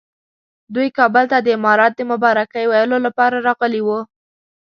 دوی کابل ته د امارت د مبارکۍ ویلو لپاره راغلي وو.